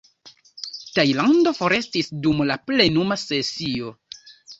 Tajlando forestis dum la plenuma sesio.